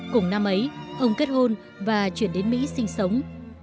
cùng năm ấy ông kết hôn và chuyển đến mỹ sinh sống